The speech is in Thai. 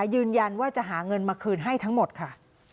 ยืนยันว่าจะหาเงินมาคืนให้ทั้งหมดค่ะ